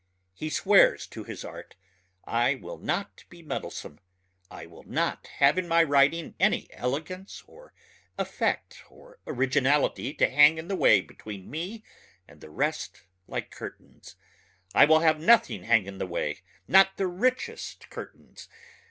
He swears to his art, I will not be meddlesome, I will not have in my writing any elegance or effect or originality to hang in the way between me and the rest like curtains. I will have nothing hang in the way not the richest curtains.